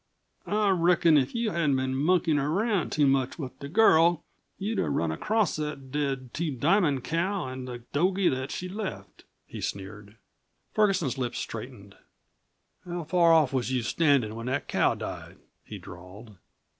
"I reckon if you hadn't been monkeyin' around too much with the girl, you'd have run across that dead Two Diamond cow an' the dogie that she left," he sneered. Ferguson's lips straightened. "How far off was you standin' when that cow died?" he drawled.